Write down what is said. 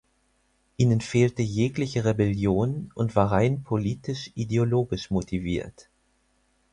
Ihnen fehlte jegliche Rebellion und war rein politisch-ideologisch motiviert.